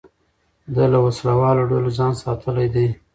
ده له وسلهوالو ډلو ځان ساتلی دی.